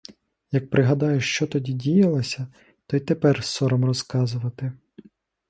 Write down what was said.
Як пригадаю, що тоді діялось, то й тепер сором розказувати.